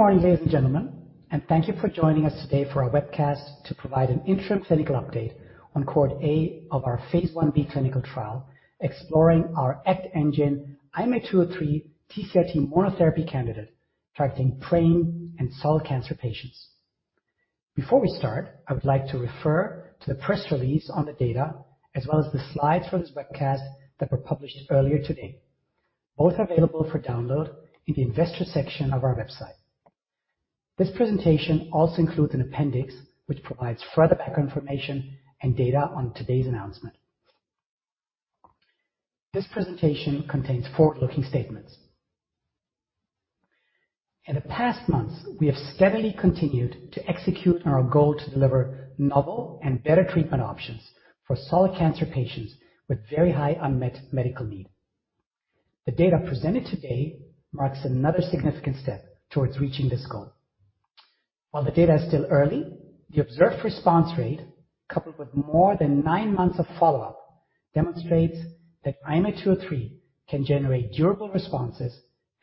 Good morning, ladies and gentlemen, and thank you for joining us today for our webcast to provide an interim clinical update on cohort A of our phase Ib clinical trial, exploring our ACTengine IMA203 TCR-T monotherapy candidate targeting PRAME and solid cancer patients. Before we start, I would like to refer to the press release on the data as well as the slides from this webcast that were published earlier today. Both are available for download in the investor section of our website. This presentation also includes an appendix which provides further background information and data on today's announcement. This presentation contains forward-looking statements. In the past months, we have steadily continued to execute on our goal to deliver novel and better treatment options for solid cancer patients with very high unmet medical need. The data presented today marks another significant step towards reaching this goal. While the data is still early, the observed response rate, coupled with more than 9 months of follow-up, demonstrates that IMA203 can generate durable responses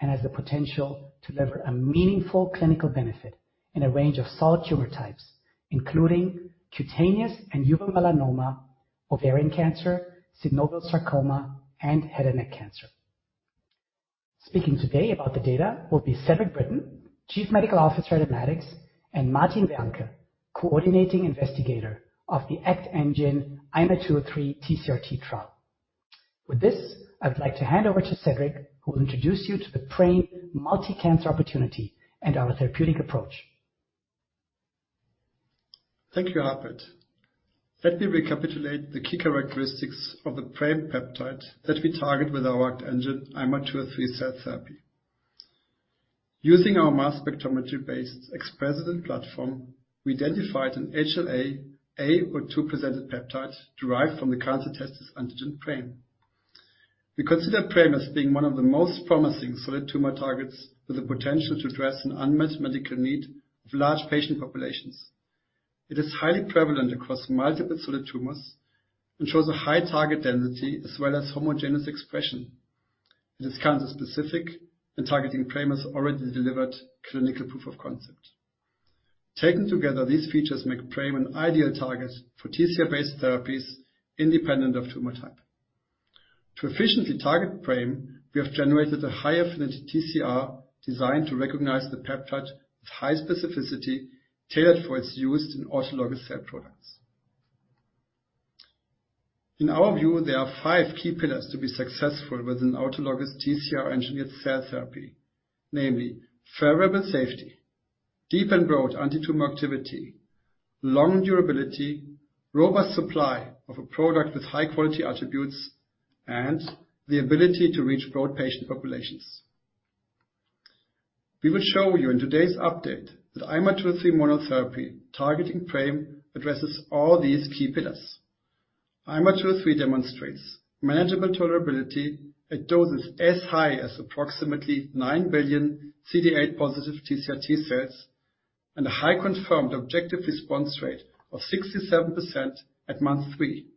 and has the potential to deliver a meaningful clinical benefit in a range of solid tumor types, including cutaneous and uveal melanoma, ovarian cancer, synovial sarcoma, and head and neck cancer. Speaking today about the data will be Cedrik Britten, Chief Medical Officer at Immatics, and Martin Wermke, Coordinating Investigator of the ACTengine IMA203 TCR-T trial. With this, I would like to hand over to Cedrik, who will introduce you to the PRAME multi-cancer opportunity and our therapeutic approach. Thank you, Harpreet. Let me recapitulate the key characteristics of the PRAME peptide that we target with our ACTengine IMA203 cell therapy. Using our mass spectrometry-based XPRESIDENT platform, we identified an HLA-A or two presented peptides derived from the cancer-testis antigen PRAME. We consider PRAME as being one of the most promising solid tumor targets with the potential to address an unmet medical need for large patient populations. It is highly prevalent across multiple solid tumors and shows a high target density as well as homogeneous expression. It is cancer specific, and targeting PRAME has already delivered clinical proof of concept. Taken together, these features make PRAME an ideal target for TCR-based therapies independent of tumor type. To efficiently target PRAME, we have generated a high affinity TCR designed to recognize the peptide with high specificity tailored for its use in autologous cell products. In our view, there are five key pillars to be successful with an autologous TCR-engineered cell therapy, namely favorable safety, deep and broad antitumor activity, long durability, robust supply of a product with high-quality attributes, and the ability to reach broad patient populations. We will show you in today's update that IMA203 monotherapy targeting PRAME addresses all these key pillars. IMA203 demonstrates manageable tolerability at doses as high as approximately nine billion CD8-positive TCR-T cells and a high confirmed objective response rate of 67% at month three.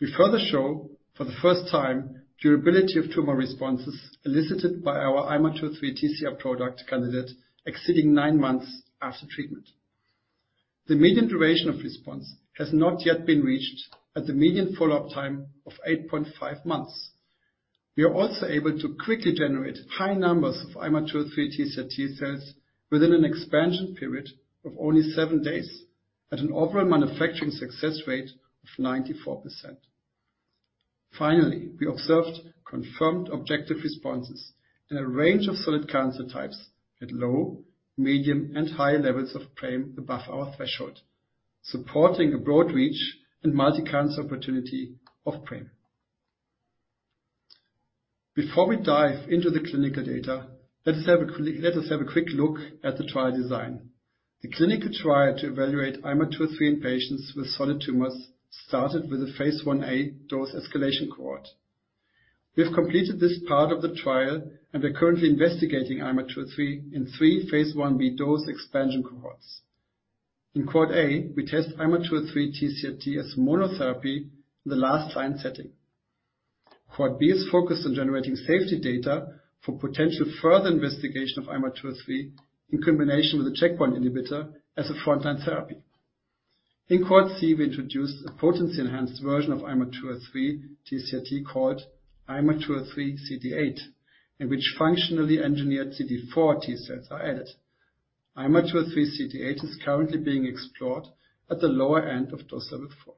We further show, for the first time, durability of tumor responses elicited by our IMA203 TCR product candidate exceeding 9 months after treatment. The median duration of response has not yet been reached at the median follow-up time of 8.5 months. We are also able to quickly generate high numbers of IMA203 TCR-T cells within an expansion period of only seven days at an overall manufacturing success rate of 94%. Finally, we observed confirmed objective responses in a range of solid cancer types at low, medium, and high levels of PRAME above our threshold, supporting a broad reach and multi-cancer opportunity of PRAME. Before we dive into the clinical data, let us have a quick look at the trial design. The clinical trial to evaluate IMA203 in patients with solid tumors started with a phase Ia dose escalation cohort. We have completed this part of the trial and are currently investigating IMA203 in three phase Ib dose expansion cohorts. In Cohort A, we test IMA203 TCR-T as monotherapy in the last line setting. Cohort B is focused on generating safety data for potential further investigation of IMA203 in combination with a checkpoint inhibitor as a frontline therapy. In Cohort C, we introduced a potency-enhanced version of IMA203 TCR-T called IMA203CD8, in which functionally engineered CD4 T cells are added. IMA203CD8 is currently being explored at the lower end of dose level 4.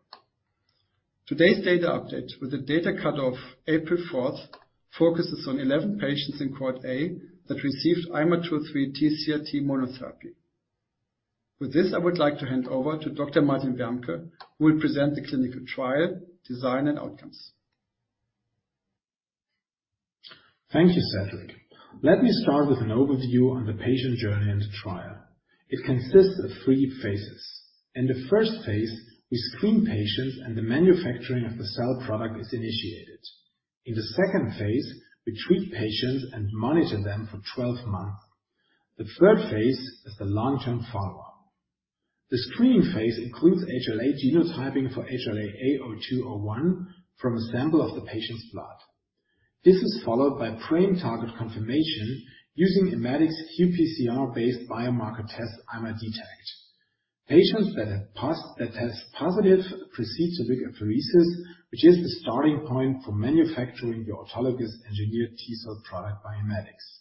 Today's data update with a data cutoff April 4th focuses on 11 patients in Cohort A that received IMA203 TCR-T monotherapy. With this, I would like to hand over to Dr. Martin Wermke, who will present the clinical trial design and outcomes. Thank you, Cedrik. Let me start with an overview on the patient journey and trial. It consists of three phases. In the first phase, we screen patients, and the manufacturing of the cell product is initiated. In the second phase, we treat patients and monitor them for 12 months. The third phase is the long-term follow-up. The screening phase includes HLA genotyping for HLA-A*02:01 from a sample of the patient's blood. This is followed by PRAME target confirmation using Immatics' qPCR-based biomarker test IMADetect. Patients that have passed the test positive proceed to leukapheresis, which is the starting point for manufacturing your autologous engineered T-cell product by Immatics'.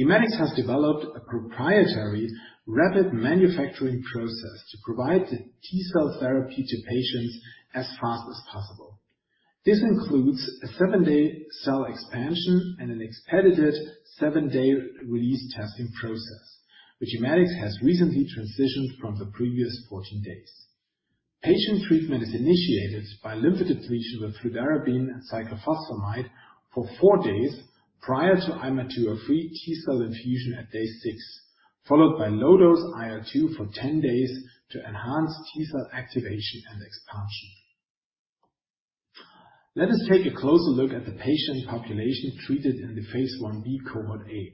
Immatics' has developed a proprietary rapid manufacturing process to provide the T-cell therapy to patients as fast as possible. This includes a 7-day cell expansion and an expedited 7-day release testing process, which Immatics' has recently transitioned from the previous 14 days. Patient treatment is initiated by lymphodepletion with fludarabine and cyclophosphamide for 4 days prior to IMA203 T-cell infusion at day 6, followed by low-dose IL-2 for 10 days to enhance T-cell activation and expansion. Let us take a closer look at the patient population treated in the phase Ib cohort A.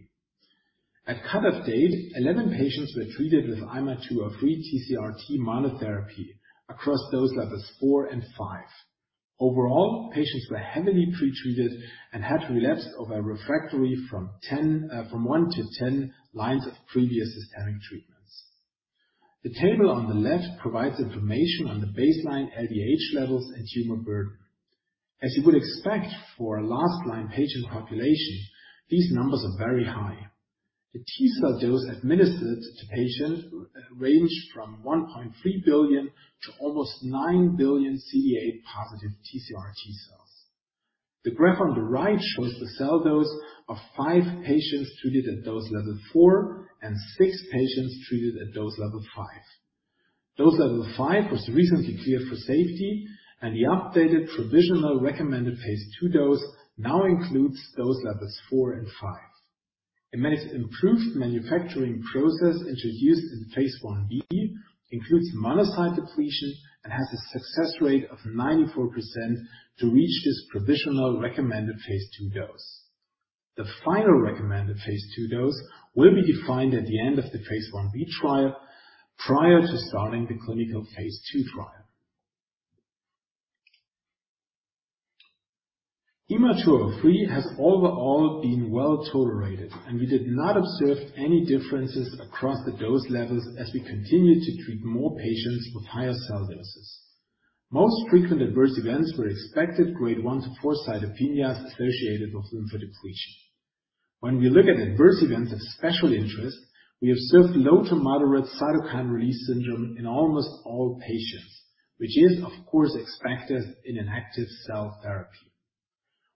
At cut-off date, 11 patients were treated with IMA203 TCR-T monotherapy across dose levels 4 and 5. Overall, patients were heavily pretreated and had relapsed over refractory from 1 to 10 lines of previous systemic treatments. The table on the left provides information on the baseline LDH levels and tumor burden. As you would expect for a last line patient population, these numbers are very high. The T-cell dose administered to patients ranged from 1.3 billion to almost 9 billion CD8-positive TCR-T cells. The graph on the right shows the cell dose of 5 patients treated at dose level 4 and 6 patients treated at dose level 5. Dose level 5 was recently cleared for safety, and the updated provisional recommended phase II dose now includes dose levels 4 and 5. Immatics' improved manufacturing process introduced in phase I B includes monocyte depletion and has a success rate of 94% to reach this provisional recommended phase II dose. The final recommended phase II dose will be defined at the end of the phase I B trial prior to starting the clinical phase II trial. IMA203 has overall been well-tolerated, we did not observe any differences across the dose levels as we continued to treat more patients with higher cell doses. Most frequent adverse events were expected grade 1 to 4 cytopenias associated with lymphodepletion. When we look at adverse events of special interest, we observed low to moderate cytokine release syndrome in almost all patients, which is of course expected in an active cell therapy.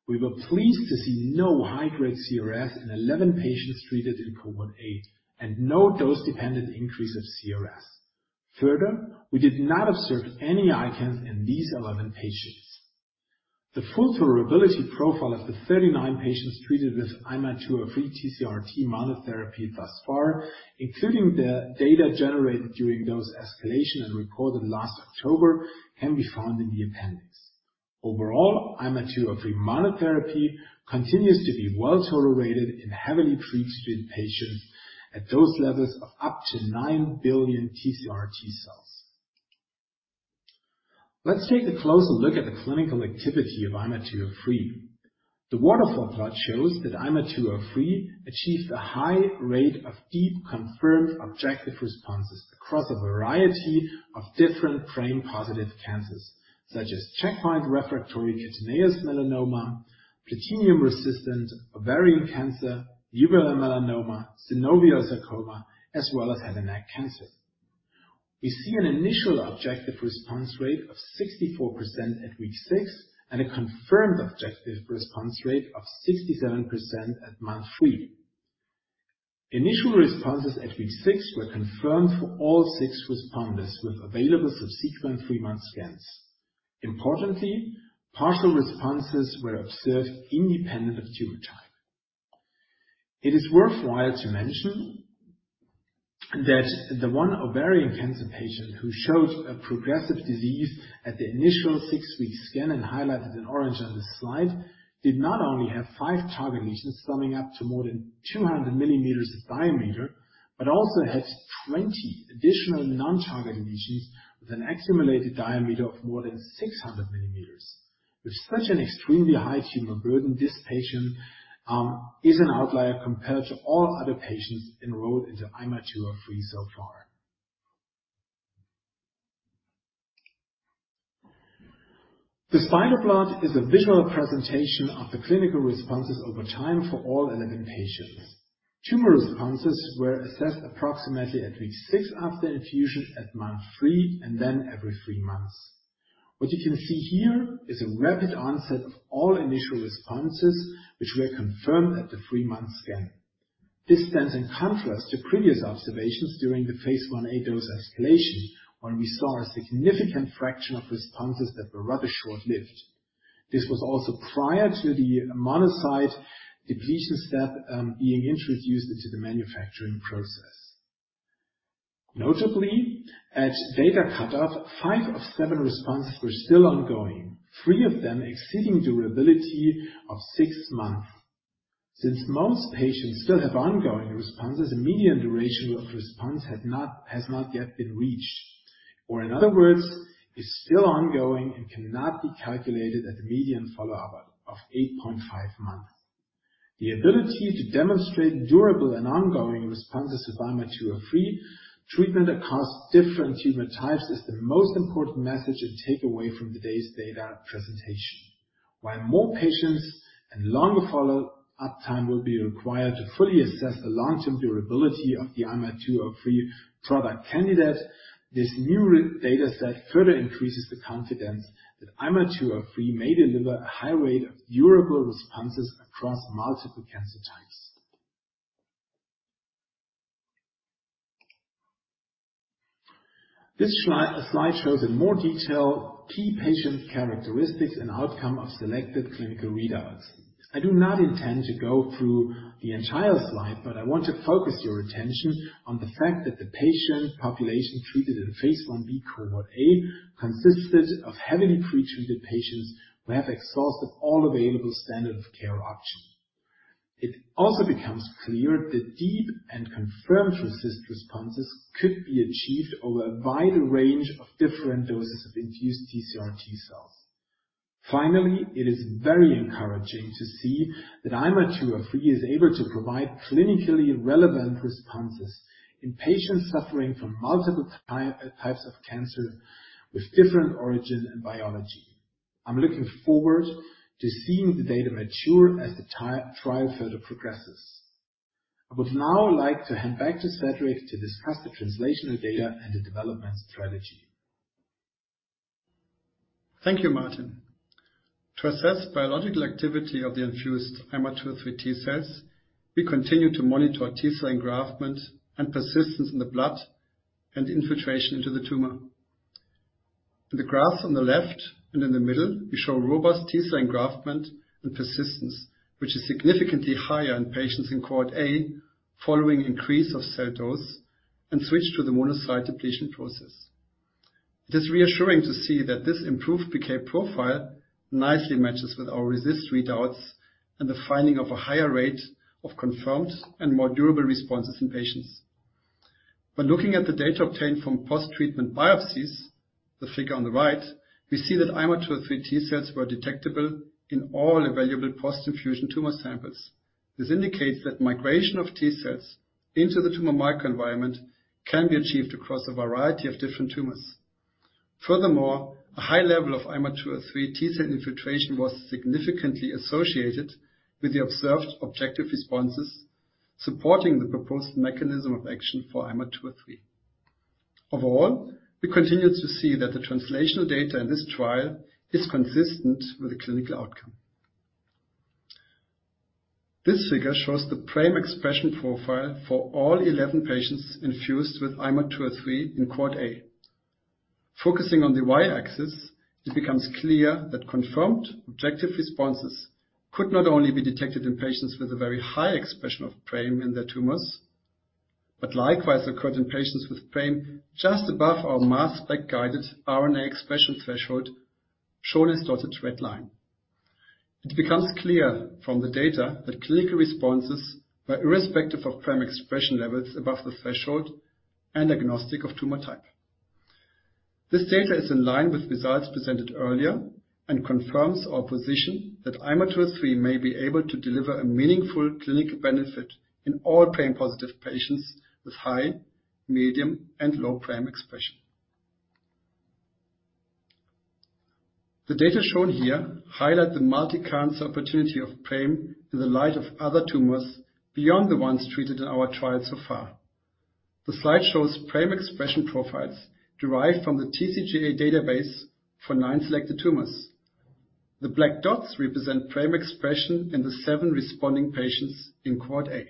We were pleased to see no high-grade CRS in 11 patients treated in cohort A and no dose-dependent increase of CRS. Further, we did not observe any ICANS in these 11 patients. The full tolerability profile of the 39 patients treated with IMA203 TCR-T monotherapy thus far, including the data generated during dose escalation and recorded last October, can be found in the appendix. Overall, IMA203 monotherapy continues to be well-tolerated in heavily pretreated patients at dose levels of up to 9 billion TCR-T cells. Let's take a closer look at the clinical activity of IMA203. The waterfall plot shows that IMA203 achieved a high rate of deep confirmed objective responses across a variety of different PRAME-positive cancers, such as checkpoint refractory cutaneous melanoma, platinum-resistant ovarian cancer, uveal melanoma, synovial sarcoma, as well as head and neck cancers. We see an initial objective response rate of 64% at week six and a confirmed objective response rate of 67% at month 3. Initial responses at week six were confirmed for all 6 responders with available subsequent 3-month scans. Importantly, partial responses were observed independent of tumor type. It is worthwhile to mention that the one ovarian cancer patient who showed a progressive disease at the initial 6-week scan and highlighted in orange on this slide did not only have five target lesions summing up to more than 200 millimeters diameter, but also had 20 additional non-target lesions with an estimated diameter of more than 600 millimeters. With such an extremely high tumor burden, this patient is an outlier compared to all other patients enrolled into IMA203 so far. This final plot is a visual presentation of the clinical responses over time for all 11 patients. Tumor responses were assessed approximately at week six after infusion at month 3 and then every 3 months. What you can see here is a rapid onset of all initial responses which were confirmed at the 3-month scan. This stands in contrast to previous observations during the phase Ia dose escalation when we saw a significant fraction of responses that were rather short-lived. This was also prior to the monocyte depletion step, being introduced into the manufacturing process. Notably, at data cut-off, five of seven responses were still ongoing, three of them exceeding durability of six months. Since most patients still have ongoing responses, a median duration of response has not yet been reached, or in other words, is still ongoing and cannot be calculated at the median follow-up of 8.5 months. The ability to demonstrate durable and ongoing responses to IMA203 treatment across different tumor types is the most important message and takeaway from today's data presentation. While more patients and longer follow-up time will be required to fully assess the long-term durability of the IMA203 product candidate, this new data set further increases the confidence that IMA203 may deliver a high rate of durable responses across multiple cancer types. This slide shows in more detail key patient characteristics and outcome of selected clinical readouts. I do not intend to go through the entire slide, but I want to focus your attention on the fact that the patient population treated in phase Ib cohort A consisted of heavily pre-treated patients who have exhausted all available standard of care options. It also becomes clear that deep and confirmed RECIST responses could be achieved over a wider range of different doses of induced TCR T-cells. Finally, it is very encouraging to see that IMA203 is able to provide clinically relevant responses in patients suffering from multiple types of cancer with different origin and biology. I'm looking forward to seeing the data mature as the trial further progresses. I would now like to hand back to Cedrik to discuss the translational data and the development strategy. Thank you, Martin. To assess biological activity of the infused IMA203 T-cells, we continue to monitor T-cell engraftment and persistence in the blood and infiltration into the tumor. In the graphs on the left and in the middle, we show robust T-cell engraftment and persistence, which is significantly higher in patients in cohort A following increase of cell dose and switch to the monocyte depletion process. It is reassuring to see that this improved PK profile nicely matches with our RECIST readouts and the finding of a higher rate of confirmed and more durable responses in patients. When looking at the data obtained from post-treatment biopsies, the figure on the right, we see that IMA203 T-cells were detectable in all available post-infusion tumor samples. This indicates that migration of T-cells into the tumor microenvironment can be achieved across a variety of different tumors. Furthermore, a high level of IMA203 T-cell infiltration was significantly associated with the observed objective responses, supporting the proposed mechanism of action for IMA203. Overall, we continue to see that the translational data in this trial is consistent with the clinical outcome. This figure shows the PRAME expression profile for all 11 patients infused with IMA203 in cohort A. Focusing on the Y-axis, it becomes clear that confirmed objective responses could not only be detected in patients with a very high expression of PRAME in their tumors, but likewise occurred in patients with PRAME just above our mass spec-guided RNA expression threshold, shown as dotted red line. It becomes clear from the data that clinical responses were irrespective of PRAME expression levels above the threshold and agnostic of tumor type. This data is in line with results presented earlier and confirms our position that IMA203 may be able to deliver a meaningful clinical benefit in all PRAME-positive patients with high, medium, and low PRAME expression. The data shown here highlight the multi-cancer opportunity of PRAME in the light of other tumors beyond the ones treated in our trial so far. The slide shows PRAME expression profiles derived from the TCGA database for nine selected tumors. The black dots represent PRAME expression in the seven responding patients in cohort A.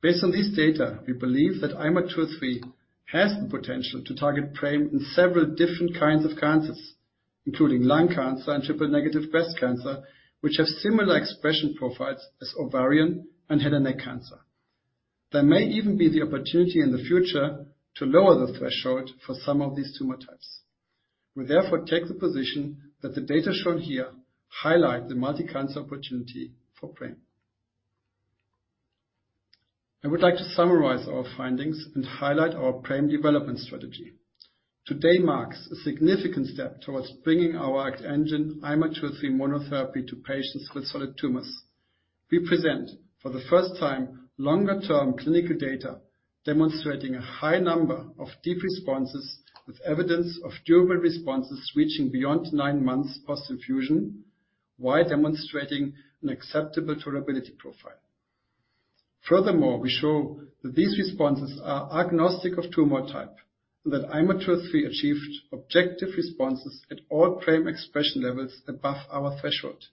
Based on this data, we believe that IMA203 has the potential to target PRAME in several different kinds of cancers, including lung cancer and triple-negative breast cancer, which have similar expression profiles as ovarian and head and neck cancer. There may even be the opportunity in the future to lower the threshold for some of these tumor types. We therefore take the position that the data shown here highlight the multi-cancer opportunity for PRAME. I would like to summarize our findings and highlight our PRAME development strategy. Today marks a significant step towards bringing our ACTengine, IMA203 monotherapy, to patients with solid tumors. We present, for the first time, longer-term clinical data demonstrating a high number of deep responses with evidence of durable responses reaching beyond 9 months post-infusion, while demonstrating an acceptable tolerability profile. We show that these responses are agnostic of tumor type, and that IMA203 achieved objective responses at all PRAME expression levels above our threshold.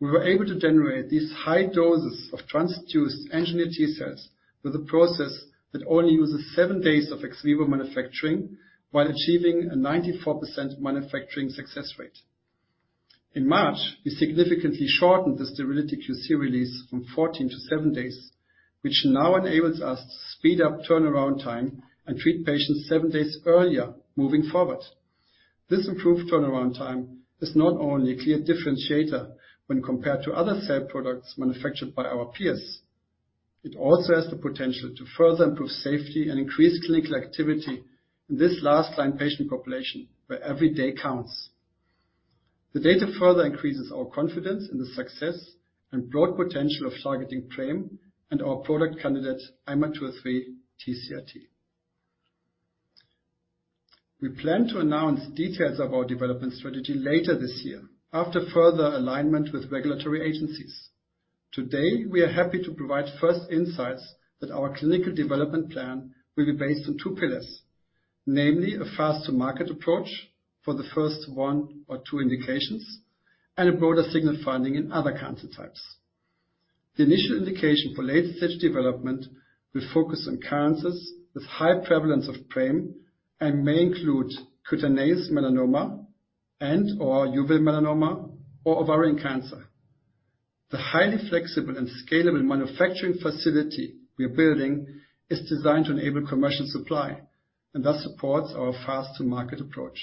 We were able to generate these high doses of transduced engineered T-cells with a process that only uses 7 days of ex vivo manufacturing while achieving a 94% manufacturing success rate. In March, we significantly shortened the sterility QC release from 14 to 7 days, which now enables us to speed up turnaround time and treat patients 7 days earlier moving forward. This improved turnaround time is not only a clear differentiator when compared to other cell products manufactured by our peers, it also has the potential to further improve safety and increase clinical activity in this last line patient population where every day counts. The data further increases our confidence in the success and broad potential of targeting PRAME and our product candidate, IMA203 TCR-T. We plan to announce details of our development strategy later this year after further alignment with regulatory agencies. Today, we are happy to provide first insights that our clinical development plan will be based on two pillars, namely a fast to market approach for the first one or two indications and a broader signal finding in other cancer types. The initial indication for late-stage development will focus on cancers with high prevalence of PRAME and may include cutaneous melanoma and/or uveal melanoma or ovarian cancer. The highly flexible and scalable manufacturing facility we are building is designed to enable commercial supply and thus supports our fast to market approach.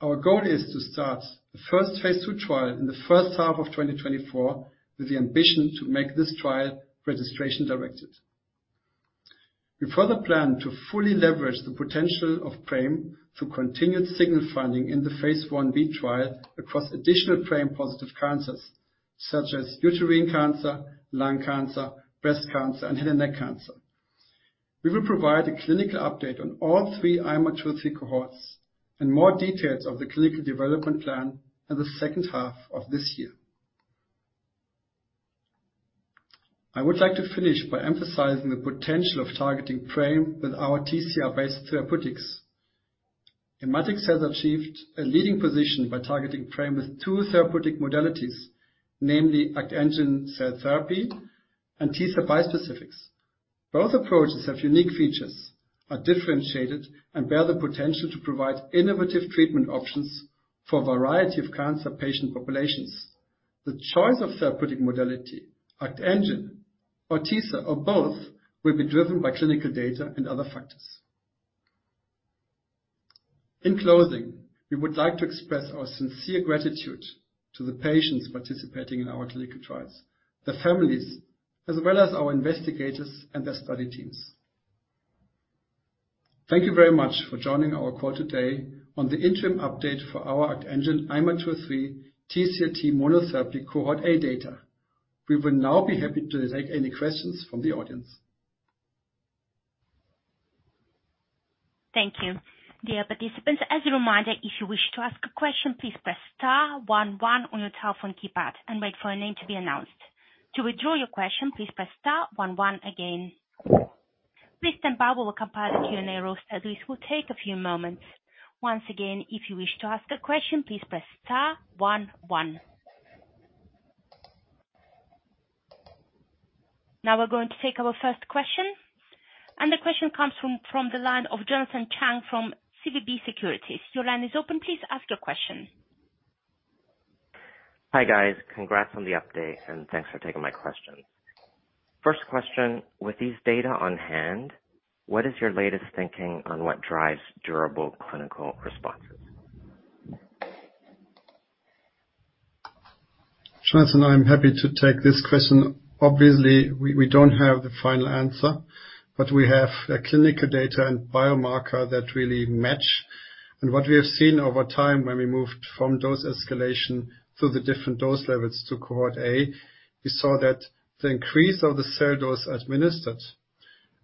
Our goal is to start the first phase II trial in the first half of 2024, with the ambition to make this trial registration-directed. We further plan to fully leverage the potential of PRAME through continued signal finding in the phase Ib trial across additional PRAME-positive cancers such as uterine cancer, lung cancer, breast cancer, and head and neck cancer. We will provide a clinical update on all 3 IMA203 cohorts and more details of the clinical development plan in the second half of this year. I would like to finish by emphasizing the potential of targeting PRAME with our TCR-based therapeutics. Immatics has achieved a leading position by targeting PRAME with 2 therapeutic modalities, namely ACTengine cell therapy and T-cell bispecifics. Both approaches have unique features, are differentiated, and bear the potential to provide innovative treatment options for a variety of cancer patient populations. The choice of therapeutic modality, ACTengine or T-cell or both, will be driven by clinical data and other factors. In closing, we would like to express our sincere gratitude to the patients participating in our clinical trials, their families, as well as our investigators and their study teams. Thank you very much for joining our call today on the interim update for our ACTengine IMA203 TCR-T monotherapy cohort A data. We will now be happy to take any questions from the audience. Thank you. Dear participants, as a reminder, if you wish to ask a question, please press star one one on your telephone keypad and wait for a name to be announced. To withdraw your question, please press star one one again. Please stand by while we compile the Q&A roster. This will take a few moments. Once again, if you wish to ask a question, please press star one one. We're going to take our first question. The question comes from the line of Jonathan Chang from SVB Securities. Your line is open. Please ask your question. Hi, guys. Congrats on the update. Thanks for taking my questions. First question, with these data on hand, what is your latest thinking on what drives durable clinical responses? Jonathan, I'm happy to take this question. Obviously, we don't have the final answer, but we have, like, clinical data and biomarker that really match. What we have seen over time when we moved from dose escalation through the different dose levels to cohort A, we saw that the increase of the cell dose administered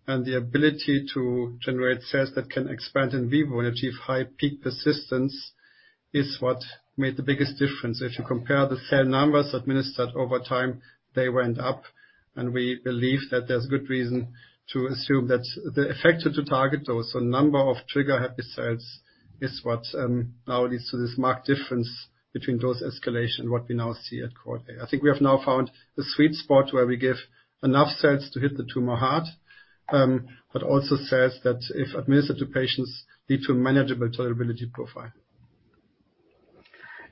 and the ability to generate cells that can expand in vivo and achieve high peak persistence is what made the biggest difference. If you compare the cell numbers administered over time, they went up. We believe that there's good reason to assume that the effect of the target dose, so number of trigger-happy cells, is what, now leads to this marked difference between dose escalation and what we now see at cohort A. I think we have now found the sweet spot where we give enough cells to hit the tumor hard, but also cells that if administered to patients lead to a manageable tolerability profile.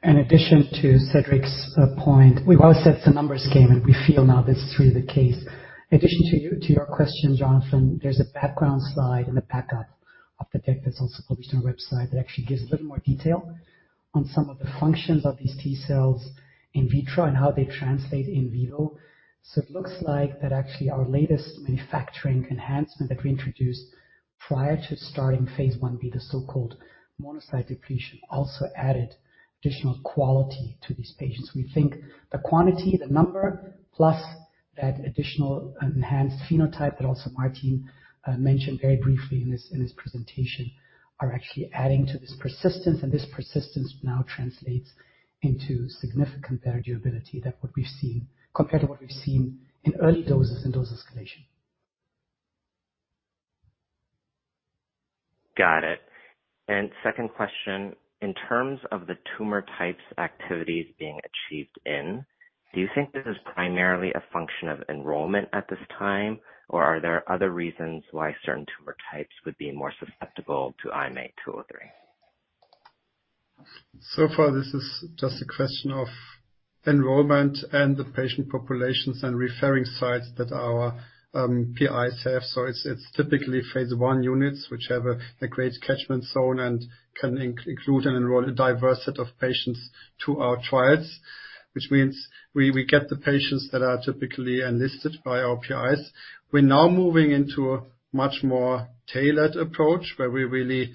In addition to Cedrik's point, we've always said the numbers game, and we feel now that's truly the case. In addition to your question, Jonathan, there's a background slide in the backup of the deck that's also published on our website that actually gives a little more detail on some of the functions of these T cells in vitro and how they translate in vivo. It looks like that actually our latest manufacturing enhancement that we introduced prior to starting phase Ib, the so-called monocyte depletion, also added additional quality to these patients. We think the quantity, the number, plus that additional enhanced phenotype that also Martin mentioned very briefly in his presentation, are actually adding to this persistence. This persistence now translates into significant durability than what we've seen compared to what we've seen in early doses in dose escalation. Got it. Second question, in terms of the tumor types activities being achieved in, do you think this is primarily a function of enrollment at this time, or are there other reasons why certain tumor types would be more susceptible to IMA203? This is just a question of enrollment and the patient populations and referring sites that our PIs have. It's typically phase I units which have a great catchment zone and can include and enroll a diverse set of patients to our trials, which means we get the patients that are typically enlisted by our PIs. We're now moving into a much more tailored approach where we really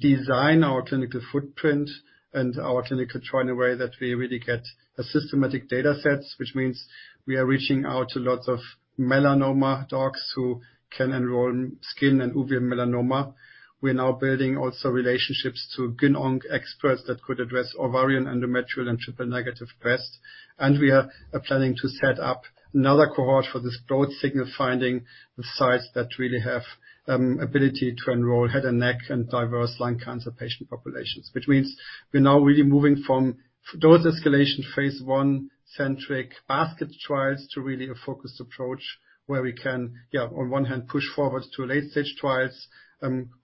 design our clinical footprint and our clinical trial in a way that we really get a systematic datasets, which means we are reaching out to lots of melanoma docs who can enroll in skin and uveal melanoma. We're now building also relationships to GYN onc experts that could address ovarian, endometrial and triple-negative breast. We are planning to set up another cohort for this broad signal, finding the sites that really have ability to enroll head and neck and diverse lung cancer patient populations. Which means we're now really moving from dose escalation phase I centric basket trials to really a focused approach where we can, yeah, on one hand push forward to a late-stage trials,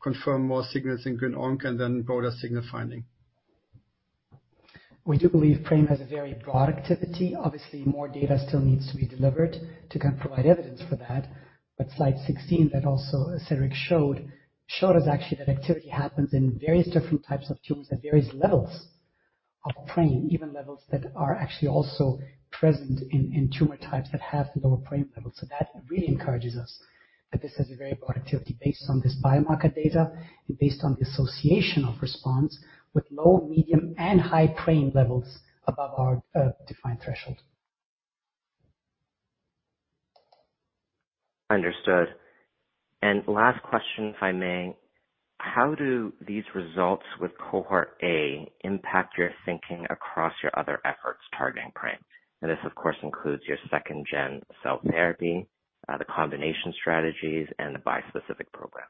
confirm more signals in GYN onc and then broader signal finding. We do believe PRAME has a very broad activity. Obviously, more data still needs to be delivered to kind of provide evidence for that. Slide 16 that also, Cedrik showed us actually that activity happens in various different types of tumors at various levels of PRAME, even levels that are actually also present in tumor types that have lower PRAME levels. That really encourages us that this has a very broad activity based on this biomarker data and based on the association of response with low, medium, and high PRAME levels above our defined threshold. Understood. Last question, if I may. How do these results with cohort A impact your thinking across your other efforts targeting PRAME? This, of course, includes your second gen cell therapy, the combination strategies and the bispecific program.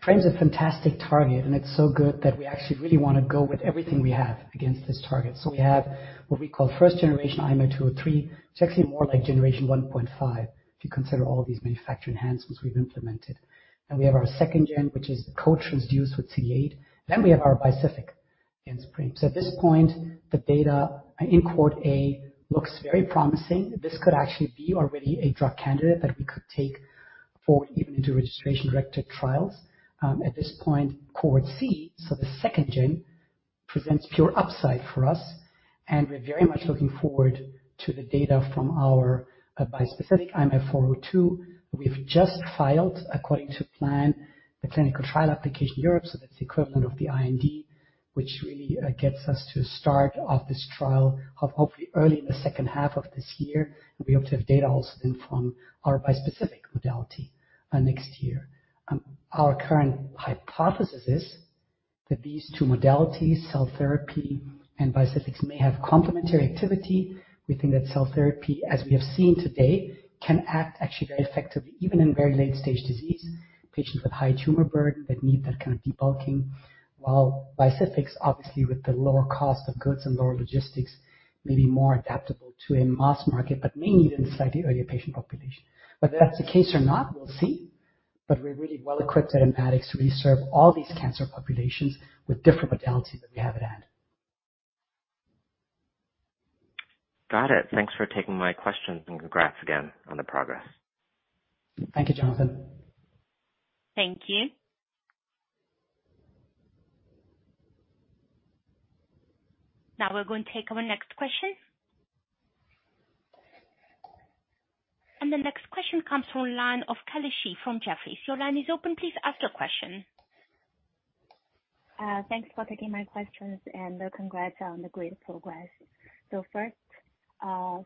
PRAME is a fantastic target, and it's so good that we actually really wanna go with everything we have against this target. We have what we call first generation IMA203. It's actually more like generation 1.5, if you consider all of these manufacturing enhancements we've implemented. We have our second gen, which is the co-transduced with CD8. We have our bispecific against PRAME. At this point, the data in cohort A looks very promising. This could actually be already a drug candidate that we could take for even into registration directed trials. At this point, cohort C, so the second gen, presents pure upside for us, and we're very much looking forward to the data from our bispecific IMA402. We've just filed, according to plan, the clinical trial application in Europe. That's the equivalent of the IND, which really gets us to start of this trial of hopefully early in the 2nd half of this year. We hope to have data also then from our bispecific modality next year. Our current hypothesis is that these two modalities, cell therapy and bispecifics, may have complementary activity. We think that cell therapy, as we have seen today, can act actually very effectively even in very late-stage disease, patients with high tumor burden that need that kind of debulking. While bispecifics, obviously with the lower cost of goods and lower logistics, may be more adaptable to a mass market, but may need a slightly earlier patient population. Whether that's the case or not, we'll see. we're really well equipped at Immatics to really serve all these cancer populations with different modalities that we have at hand. Got it. Thanks for taking my questions, and congrats again on the progress. Thank you, Jonathan. Thank you. The next question comes from line of Kelly Shi from Jefferies. Your line is open. Please ask your question. Thanks for taking my questions and congrats on the great progress. First,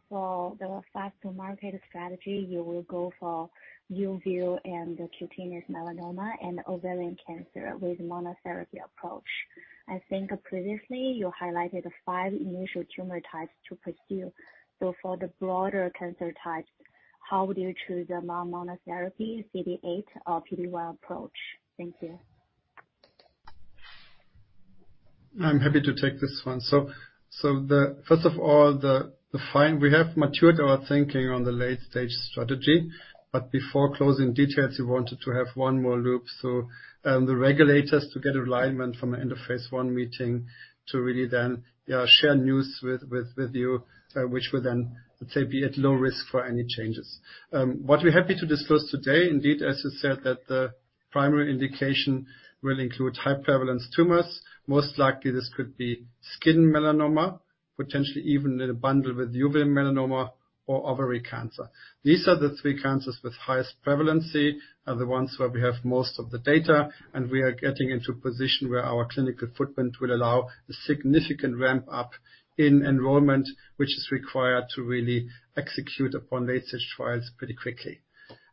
for the fast-to-market strategy, you will go for uveal and the cutaneous melanoma and ovarian cancer with monotherapy approach. I think previously you highlighted 5 initial tumor types to pursue. For the broader cancer types, how would you choose among monotherapy CD8 or PD-1 approach? Thank you. I'm happy to take this one. First of all, the PRAME, we have matured our thinking on the late-stage strategy. Before closing details, we wanted to have one more loop. The regulators to get alignment from the end of phase I meeting to really then share news with you, which would then, let's say, be at low risk for any changes. What we're happy to disclose today, indeed, as you said, that the primary indication will include high prevalence tumors. Most likely this could be skin melanoma, potentially even in a bundle with uveal melanoma or ovarian cancer. These are the three cancers with highest prevalence, are the ones where we have most of the data, and we are getting into a position where our clinical footprint will allow a significant ramp up in enrollment, which is required to really execute upon late-stage trials pretty quickly.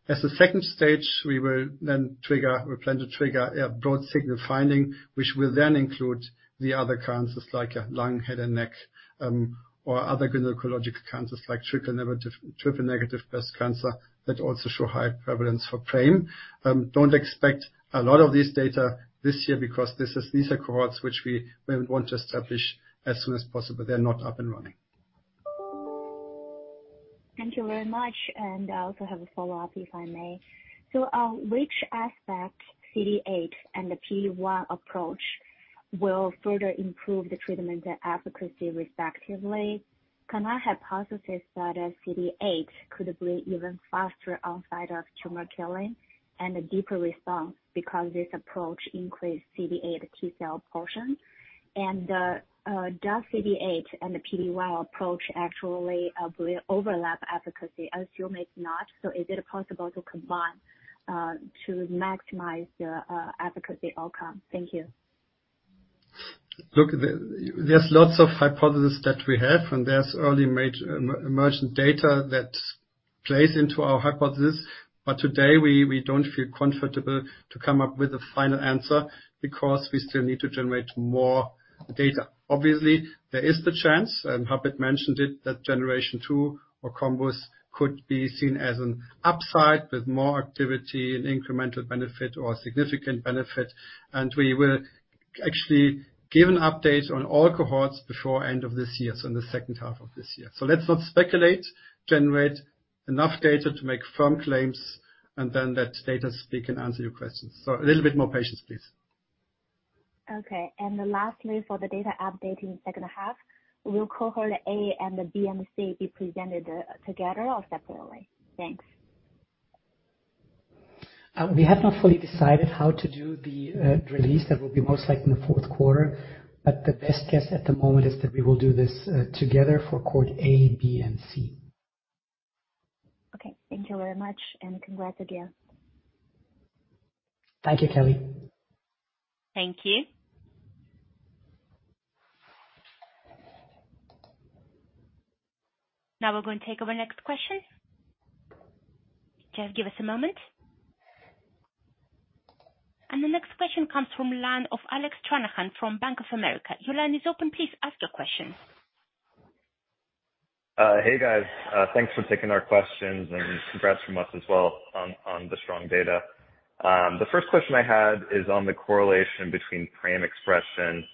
As a second stage, we will then trigger, we plan to trigger a broad signal finding, which will then include the other cancers like lung, head and neck, or other gynecologic cancers like triple-negative breast cancer that also show high prevalence for PRAME. Don't expect a lot of these data this year because these are cohorts which we want to establish as soon as possible. They're not up and running. Thank you very much. I also have a follow-up, if I may. On which aspect CD8 and the PD-1 approach will further improve the treatment and efficacy respectively? Can I hypothesize that a CD8 could have been even faster outside of tumor killing and a deeper response because this approach increased CD8 T cell portion? Does CD8 and the PD-1 approach actually overlap efficacy? I assume it's not, so is it possible to combine to maximize the efficacy outcome? Thank you. Look, there's lots of hypothesis that we have, and there's early emergent data that plays into our hypothesis. Today, we don't feel comfortable to come up with a final answer because we still need to generate more data. Obviously, there is the chance, and Harpreet mentioned it, that generation 2 or combos could be seen as an upside with more activity and incremental benefit or significant benefit. We will actually give an update on all cohorts before end of this year, so in the second half of this year. Let's not speculate. Generate enough data to make firm claims, and then that data speak can answer your questions. A little bit more patience, please. Okay. Lastly, for the data update in second half, will cohort A and the B and C be presented together or separately? Thanks. We have not fully decided how to do the release. That will be most likely in the fourth quarter. The best guess at the moment is that we will do this together for cohort A, B and C. Okay, thank you very much, and congrats again. Thank you, Kelly. Thank you. Now we're going to take our next question. Just give us a moment. The next question comes from line of Alec Stranahan from Bank of America. Your line is open. Please ask your question. Hey, guys. Thanks for taking our questions and congrats from us as well on the strong data. The first question I had is on the correlation between PRAME expression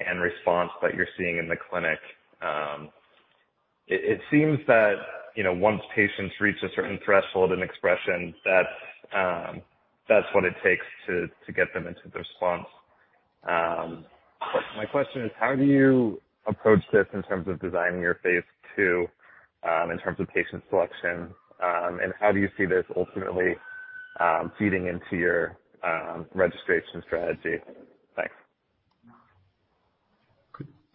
and response that you're seeing in the clinic. It seems that, you know, once patients reach a certain threshold in expression, that's what it takes to get them into the response. My question is, how do you approach this in terms of designing your phase two, in terms of patient selection, and how do you see this ultimately feeding into your registration strategy? Thanks.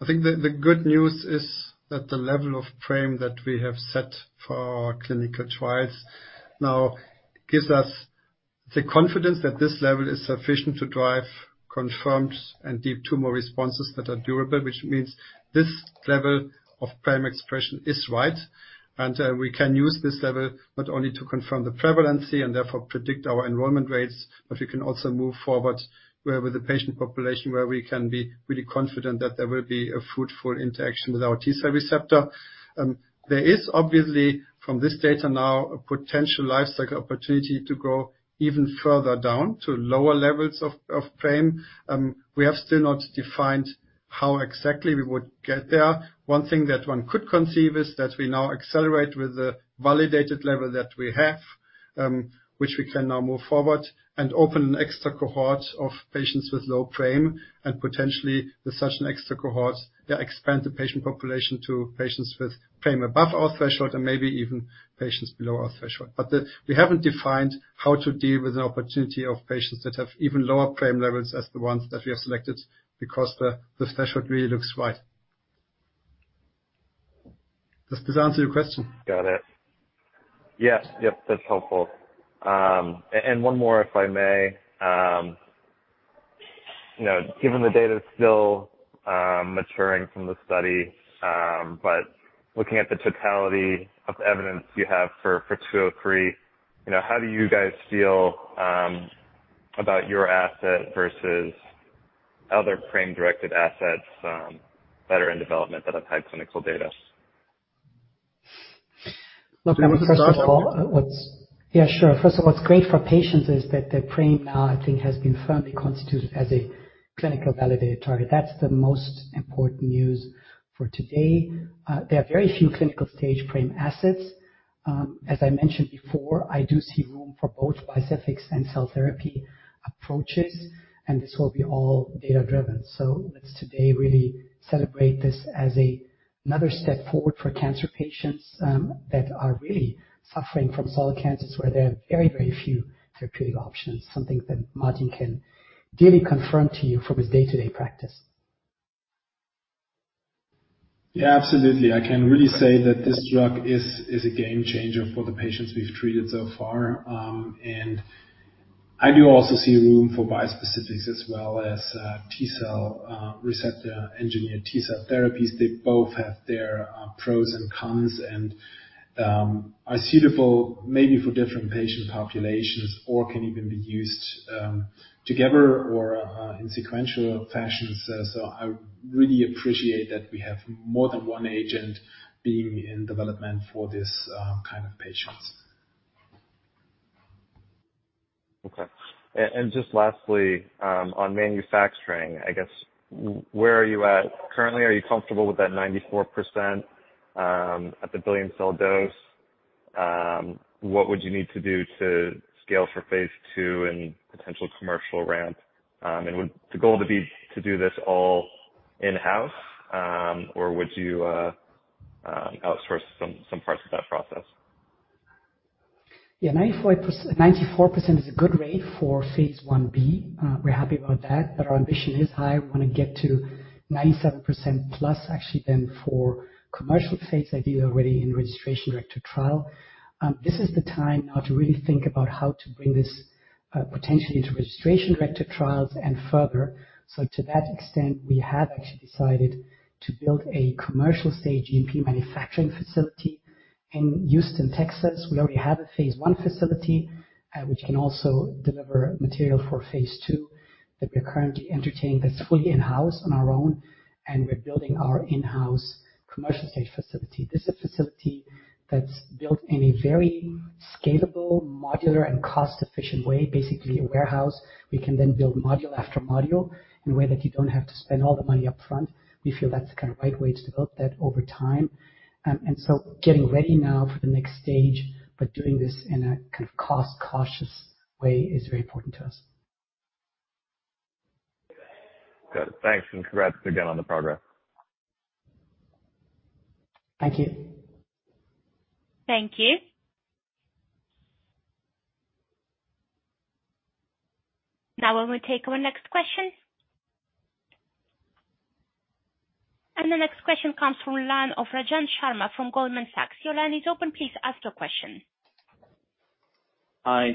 I think the good news is that the level of PRAME that we have set for our clinical trials now gives us the confidence that this level is sufficient to drive confirmed and deep tumor responses that are durable, which means this level of PRAME expression is right. We can use this level not only to confirm the prevalency and therefore predict our enrollment rates, but we can also move forward with the patient population where we can be really confident that there will be a fruitful interaction with our T-cell receptor. There is obviously, from this data now, a potential lifecycle opportunity to go even further down to lower levels of PRAME. We have still not defined how exactly we would get there. One thing that one could conceive is that we now accelerate with the validated level that we have, which we can now move forward and open an extra cohort of patients with low PRAME and potentially with such an extra cohort that expand the patient population to patients with PRAME above our threshold and maybe even patients below our threshold. We haven't defined how to deal with the opportunity of patients that have even lower PRAME levels as the ones that we have selected because this threshold really looks right. Does this answer your question? Got it. Yes. Yep, that's helpful. One more, if I may. You know, given the data is still maturing from the study, looking at the totality of evidence you have for 203, you know, how do you guys feel about your asset versus other PRAME-directed assets that are in development that have had clinical data? Do you want me to start, Harpreet? Yeah, sure. First of all, what's great for patients is that their PRAME now, I think, has been firmly constituted as a clinical validator. That's the most important news for today. There are very few clinical-stage PRAME assets. As I mentioned before, I do see room for both bispecifics and cell therapy approaches, and this will be all data-driven. Let's today really celebrate this as another step forward for cancer patients that are really suffering from solid cancers where there are very, very few therapeutic options, something that Martin can dearly confirm to you from his day-to-day practice. Yeah, absolutely. I can really say that this drug is a game changer for the patients we've treated so far. I do also see room for bispecifics as well as T-cell receptor engineered T-cell therapies. They both have their pros and cons and are suitable maybe for different patient populations or can even be used together or in sequential fashions. I really appreciate that we have more than one agent being in development for this kind of patients. Okay. Just lastly, on manufacturing, I guess where are you at currently? Are you comfortable with that 94% at the billion cell dose? What would you need to do to scale for phase II and potential commercial ramp? Would the goal to be to do this all in-house, or would you outsource some parts of that process? Yeah, 94% is a good rate for phase Ib. We're happy about that, but our ambition is high. We wanna get to 97% plus, actually, then for commercial phase, ideally, already in registration director trial. This is the time now to really think about how to bring this potentially into registration director trials and further. To that extent, we have actually decided to build a commercial stage GMP manufacturing facility in Houston, Texas. We already have a phase I facility, which can also deliver material for phase II that we're currently entertaining that's fully in-house on our own, and we're building our in-house commercial stage facility. This is a facility that's built in a very scalable, modular, and cost-efficient way, basically a warehouse. We can then build module after module in a way that you don't have to spend all the money up front. We feel that's the kind of right way to build that over time. Getting ready now for the next stage but doing this in a kind of cost-cautious way is very important to us. Good. Thanks. Congrats again on the progress. Thank you. Thank you. When we take our next question. The next question comes from line of Rajan Sharma from Goldman Sachs. Your line is open. Please ask your question. Hi.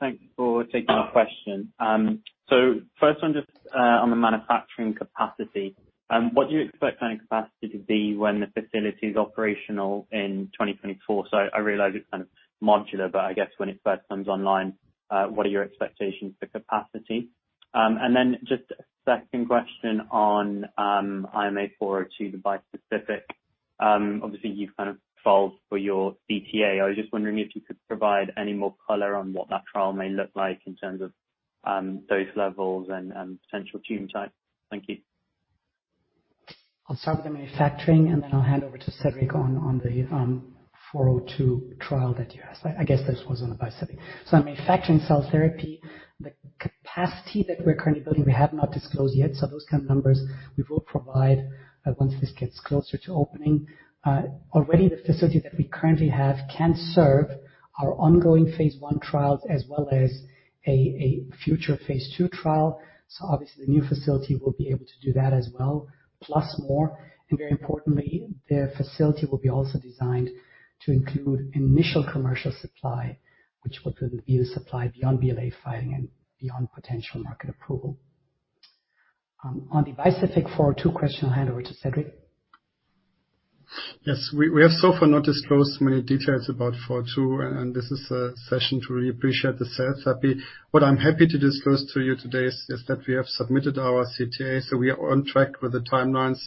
Thanks for taking my question. First one just on the manufacturing capacity. What do you expect kind of capacity to be when the facility is operational in 2024? I realize it's kind of modular, but I guess when it first comes online, what are your expectations for capacity? Just a second question on IMA402, the bispecific. Obviously you've kind of filed for your CTA. I was just wondering if you could provide any more color on what that trial may look like in terms of dose levels and potential tune type. Thank you. I'll start with the manufacturing, and then I'll hand over to Cedrik on the 402 trial that you asked. I guess this was on the bispecific. On manufacturing cell therapy, the capacity that we're currently building, we have not disclosed yet. Those kind of numbers we will provide once this gets closer to opening. Already the facility that we currently have can serve our ongoing phase I trials as well as a future phase II trial. Obviously the new facility will be able to do that as well, plus more. Very importantly, the facility will be also designed to include initial commercial supply, which will then be the supply beyond BLA filing and beyond potential market approval. On the bispecific 402 question, I'll hand over to Cedrik. Yes. We have so far not disclosed many details about IMA402, and this is a session to really appreciate the cell therapy. What I'm happy to disclose to you today is that we have submitted our CTA, so we are on track with the timelines.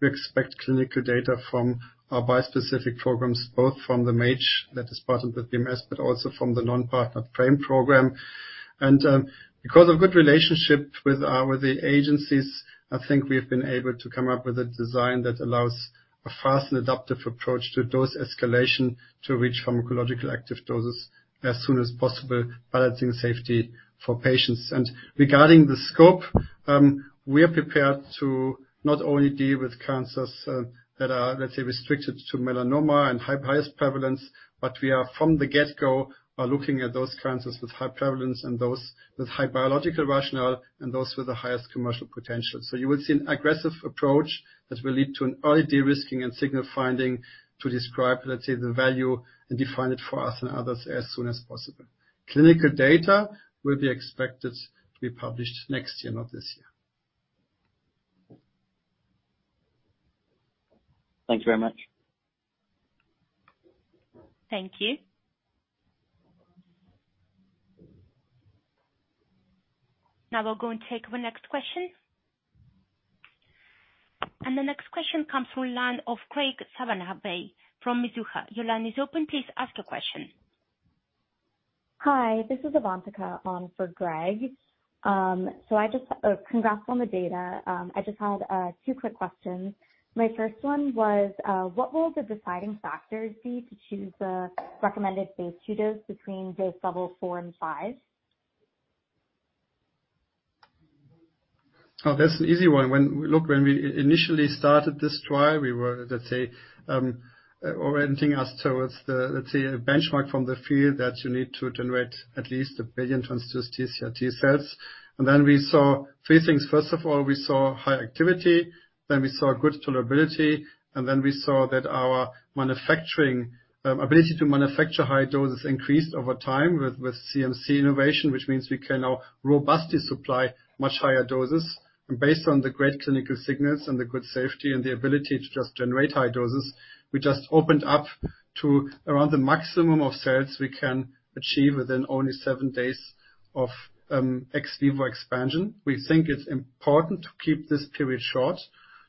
We expect clinical data from our bispecific programs, both from the MAGE that is part of the BMS, but also from the non-partnered PRAME program. Because of good relationship with our agencies, I think we've been able to come up with a design that allows a fast and adaptive approach to dose escalation to reach pharmacological active doses as soon as possible, balancing safety for patients. Regarding the scope, we are prepared to not only deal with cancers that are, let's say, restricted to melanoma and highest prevalence, but we are from the get-go are looking at those cancers with high prevalence and those with high biological rationale and those with the highest commercial potential. You will see an aggressive approach that will lead to an early de-risking and signal finding to describe, let's say, the value and define it for us and others as soon as possible. Clinical data will be expected to be published next year, not this year. Thank you very much. Thank you. Now we'll go and take the next question. The next question comes from line of Graig Suvannavejh from Mizuho. Your line is open. Please ask your question. Hi, this is Avantika on for Greg. I just, congrats on the data. I just had two quick questions. My first one was: What will the deciding factors be to choose the recommended phase II dose between dose level 4 and 5? Oh, that's an easy one. Look, when we initially started this trial, we were, let's say, orienting us towards the, let's say, a benchmark from the field that you need to generate at least 1 billion TCR-T cells. Then we saw three things. First of all, we saw high activity, then we saw good tolerability, then we saw that our manufacturing ability to manufacture high doses increased over time with CMC innovation, which means we can now robustly supply much higher doses. Based on the great clinical signals and the good safety and the ability to just generate high doses, we just opened up to around the maximum of cells we can achieve within only 7 days of ex vivo expansion. We think it's important to keep this period short,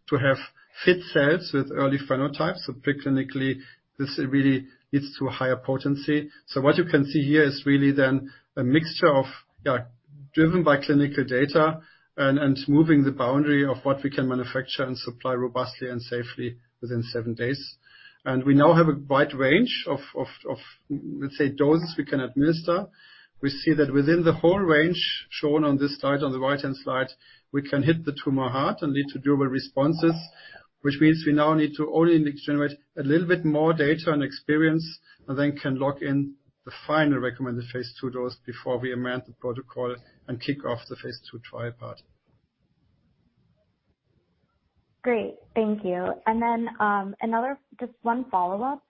to have fit cells with early phenotypes. Pre-clinically this really leads to a higher potency. What you can see here is really then a mixture of, Driven by clinical data and moving the boundary of what we can manufacture and supply robustly and safely within seven days. We now have a wide range of, let's say, doses we can administer. We see that within the whole range shown on this slide, on the right-hand slide, we can hit the tumor heart and lead to durable responses, which means we now need to only generate a little bit more data and experience, and then can lock in the final recommended phase II dose before we amend the protocol and kick off the phase II trial part. Great, thank you. Another just 1 follow-up.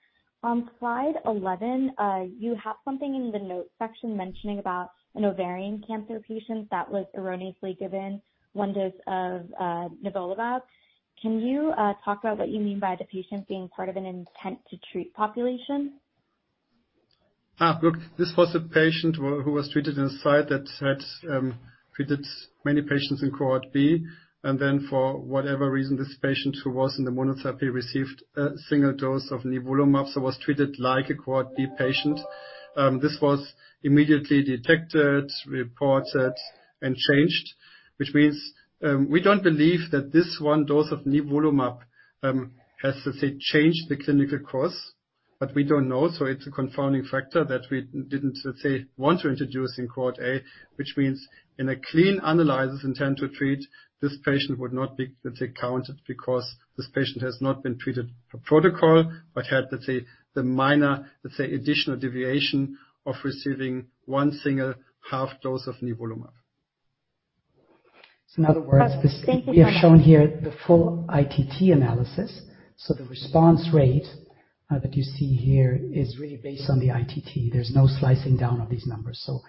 On slide 11, you have something in the notes section mentioning about an ovarian cancer patient that was erroneously given 1 dose of nivolumab. Can you talk about what you mean by the patient being part of an intent to treat population? This was a patient who was treated in a site that had treated many patients in cohort B. For whatever reason, this patient who was in the monotherapy received a single dose of nivolumab, so was treated like a cohort B patient. This was immediately detected, reported and changed, which means we don't believe that this 1 dose of nivolumab has, let's say, changed the clinical course. We don't know. It's a confounding factor that we didn't, let's say, want to introduce in cohort A, which means in a clean analysis intent to treat, this patient would not be, let's say, counted because this patient has not been treated for protocol, but had, let's say, the minor, let's say, additional deviation of receiving 1 single half dose of nivolumab. In other words. Thank you so much. We have shown here the full ITT analysis. The response rate that you see here is really based on the ITT. There's no slicing down of these numbers, so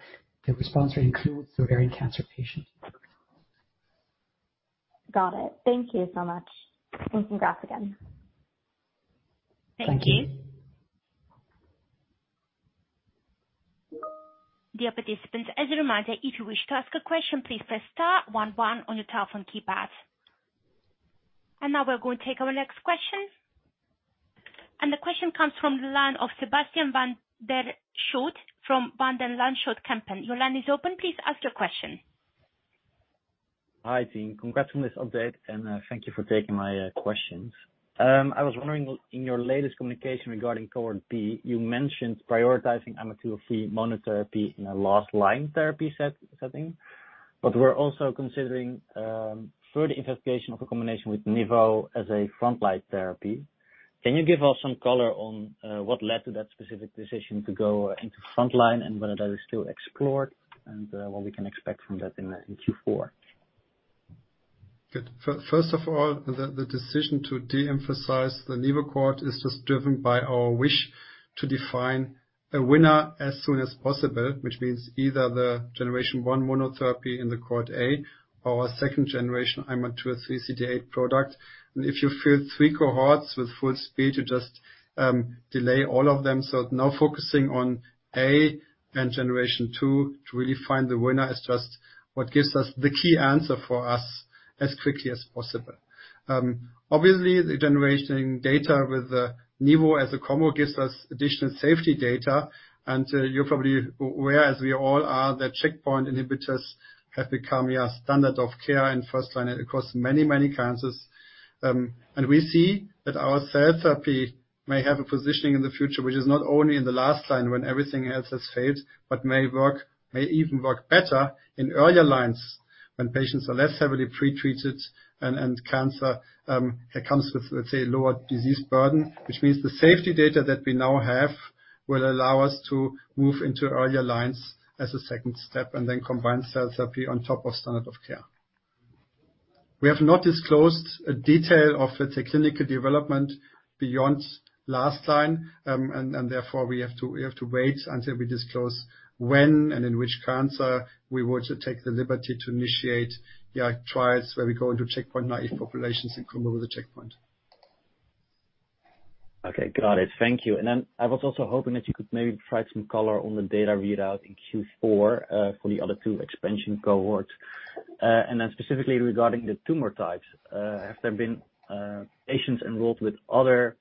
the response rate includes ovarian cancer patients. Got it. Thank you so much. Congrats again. Thank you. Thank you. Dear participants, as a reminder, if you wish to ask a question, please press star 1 1 on your telephone keypad. Now we're going to take our next question. The question comes from the line of Sebastiaan van der Schoot from Van Lanschot Kempen. Your line is open. Please ask your question. Hi, team. Congrats on this update. Thank you for taking my questions. I was wondering, in your latest communication regarding cohort B, you mentioned prioritizing IMA203 monotherapy in a last line therapy setting, but we're also considering further investigation of a combination with nivo as a frontline therapy. Can you give us some color on what led to that specific decision to go into frontline and whether that is still explored and what we can expect from that in Q4? Good. First of all, the decision to de-emphasize the nivo cohort is just driven by our wish to define a winner as soon as possible, which means either the generation one monotherapy in the cohort A or a second generation IMA203 CD8 product. If you fill three cohorts with full speed, you just delay all of them. Now focusing on A and generation two to really find the winner is just what gives us the key answer for us as quickly as possible. Obviously, the generation data with the nivo as a combo gives us additional safety data. You're probably aware, as we all are, that checkpoint inhibitors have become your standard of care in first line across many, many cancers. We see that our cell therapy may have a positioning in the future which is not only in the last line when everything else has failed, but may work, may even work better in earlier lines when patients are less heavily pre-treated and cancer comes with, let's say, lower disease burden. The safety data that we now have will allow us to move into earlier lines as a second step and then combine cell therapy on top of standard of care. We have not disclosed a detail of the technical development beyond last line, therefore we have to wait until we disclose when and in which cancer we want to take the liberty to initiate the trials where we go into checkpoint-naïve populations and combine with the checkpoint. Okay, got it. Thank you. I was also hoping that you could maybe provide some color on the data readout in Q4 for the other two expansion cohorts. Specifically regarding the tumor types, have there been patients enrolled with other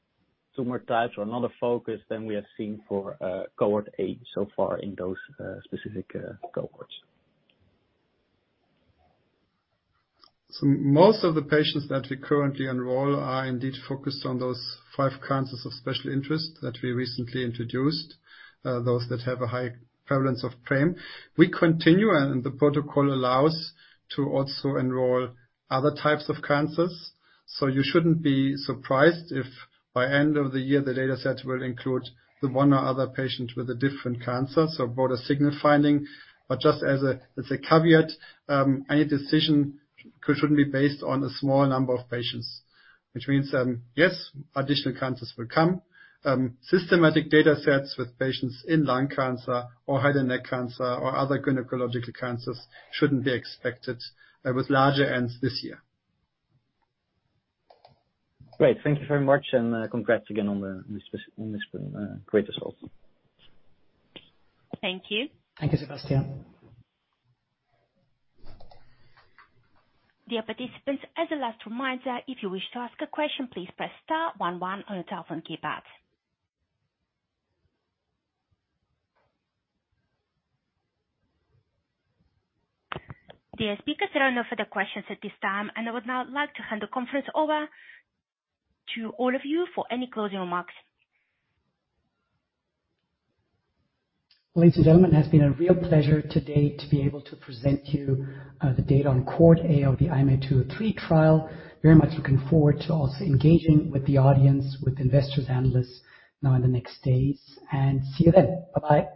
tumor types or another focus than we have seen for cohort A so far in those specific cohorts? Most of the patients that we currently enroll are indeed focused on those five cancers of special interest that we recently introduced, those that have a high prevalence of PRAME. We continue, and the protocol allows to also enroll other types of cancers. You shouldn't be surprised if by end of the year the data set will include the one or other patient with a different cancer. Broader signal finding. Just as a caveat, any decision shouldn't be based on a small number of patients, which means, yes, additional cancers will come. Systematic data sets with patients in lung cancer or head and neck cancer or other gynecological cancers shouldn't be expected with larger ends this year. Great. Thank you very much. Congrats again on this great result. Thank you. Thank you, Sebastiaan. Dear participants, as a last reminder, if you wish to ask a question, please press star one one on your telephone keypad. Dear speakers, there are no further questions at this time, and I would now like to hand the conference over to all of you for any closing remarks. Ladies and gentlemen, it has been a real pleasure today to be able to present to you the data on cohort A of the IMA203 trial. Very much looking forward to also engaging with the audience, with investors, analysts now in the next days. See you then. Bye-bye.